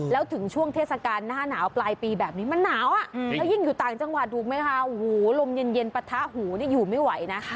แล้วถึงช่วงเทศกาลหน้าหนาวปลายปีแบบนี้มันหนาวอ่ะแล้วยิ่งอยู่ต่างจังหวัดถูกไหมคะโอ้โหลมเย็นปะทะหูนี่อยู่ไม่ไหวนะคะ